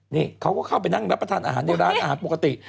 นี่เขาก็เข้าไปนั่งรับประทานอาหารในร้านอาหารปกติ